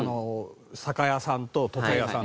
酒屋さんと床屋さんと。